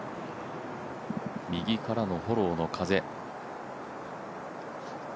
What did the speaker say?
右からのフォローの風。